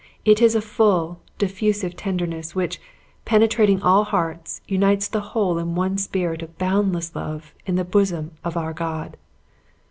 It is a full, diffusive tenderness, which, penetrating all hearts, unites the whole in one spirit of boundless love in the bosom of our God!